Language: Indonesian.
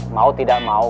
mau tidak mau